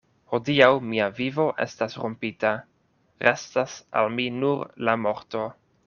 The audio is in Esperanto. Hodiaŭ mia vivo estas rompita; restas al mi nur la morto.